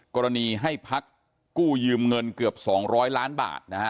กรณีให้พักกู้ยืมเงินเกือบ๒๐๐ล้านบาทนะฮะ